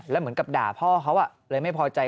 แล้วเหมือนกับด่าพ่อเขาเลยไม่พอใจ